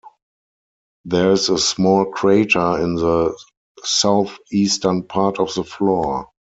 There is a small crater in the southeastern part of the floor.